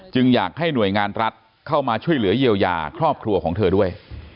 อยากให้หน่วยงานรัฐเข้ามาช่วยเหลือเยียวยาครอบครัวของเธอด้วย